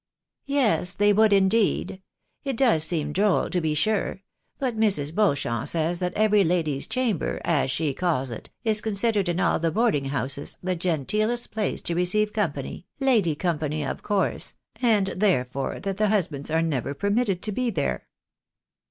" Yes, they would indeed. It does seem droll, to be sure ; but Mrs. Beauchamp says that every lady's chamber, as she calls it, is considered in all the boarding houses, the genteelest place to receiye' company, lady company of course, and therefore that their hus bands are never permitted there."